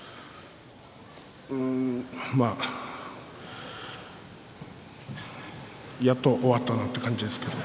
うーんまあやっと終わったなという感じですけど。